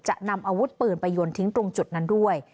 จะนำอาวุธปืนไปโยนทิ้งตรงจุดนั้นด้วย